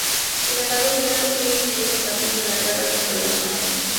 Sin embargo, salió con vida y siguió combatiendo en la guerra contra los mapuches.